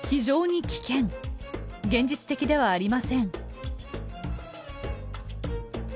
現実的ではありません。